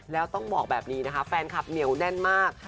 แล้วต้องบอกแบบนี้นะคะแฟนคลับเหนียวแน่นมาก